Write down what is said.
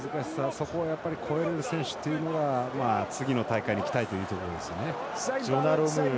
そこを超える選手というのが次の大会に期待というところですね。